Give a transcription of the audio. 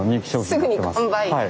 すぐに完売。